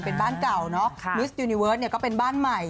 เป็นบ้านเก่าเนาะมิสยูนิเวิร์ดเนี่ยก็เป็นบ้านใหม่